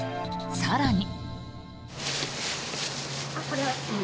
更に。